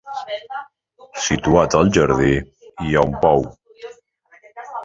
Situat al jardí hi ha un pou.